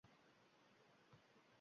O’lmay qolganda.